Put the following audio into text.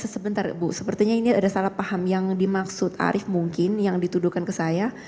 sebentar ibu sepertinya ini ada salah paham yang dimaksud arief mungkin yang dituduhkan ke saya